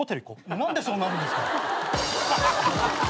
何でそうなるんですか？